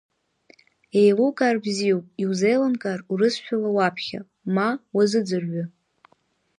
Еилукаар бзиоуп, иузеилымкаар урысшәала уаԥхьа, ма уазыӡырҩы.